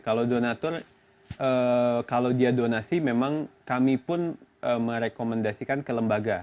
kalau donatur kalau dia donasi memang kami pun merekomendasikan ke lembaga